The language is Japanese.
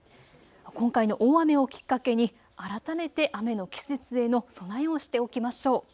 今回の大雨をきっかけに改めて雨の季節への備えをしておきましょう。